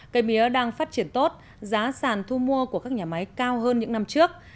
cây mía đang phát triển tốt giá sàn thu mua của các nhà máy cao hơn những năm trước